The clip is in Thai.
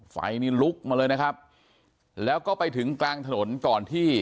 ไฟนี่ลุกมาเลยนะครับแล้วก็ไปถึงกลางถนนก่อนที่